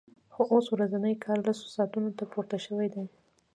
خو اوس ورځنی کار لسو ساعتونو ته پورته شوی دی